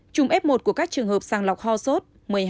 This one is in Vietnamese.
ba chủng f một của các trường hợp sàng lọc ho sốt một mươi hai